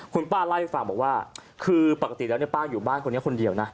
คุณป้าเล่าให้ฟังบอกว่าคือปกติแล้วป้าอยู่บ้านคนนี้คนเดียวนะ